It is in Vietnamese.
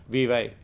vì vậy hiện nay